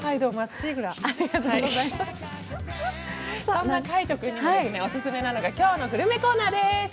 そんな海音君にもオススメなのが今日のグルメコーナーです。